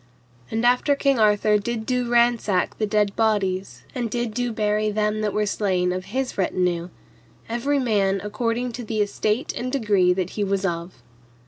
And after King Arthur did do ransack the dead bodies, and did do bury them that were slain of his retinue, every man according to the estate and degree that he was of.